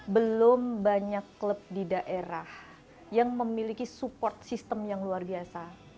belum banyak klub di daerah yang memiliki support system yang luar biasa